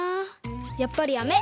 やっぱりやめ！